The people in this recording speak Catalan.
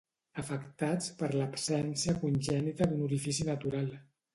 Afectats per l'absència congènita d'un orifici natural.